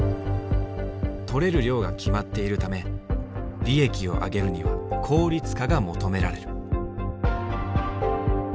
取れる量が決まっているため利益をあげるには効率化が求められる。